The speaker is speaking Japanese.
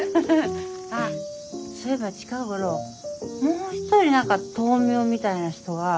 あっそういえば近頃もう一人何か豆苗みたいな人がいるんだけど。